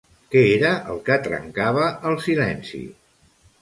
Què era el que trencava el silenci?